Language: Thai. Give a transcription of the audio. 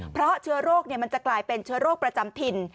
เพราะเชื้อโรคมันจะกลายเป็นเชื้อโรคประจำถิ่น